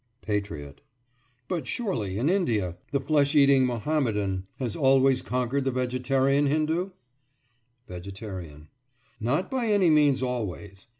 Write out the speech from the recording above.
PATRIOT: But surely in India the flesh eating Mohammedan has always conquered the vegetarian Hindu? VEGETARIAN: Not by any means always.